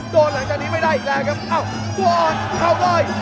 โดนหลังจากนี้ไม่ได้อีกแล้วครับอ้าวโวะอ่อนแพงคั่วเบล่อย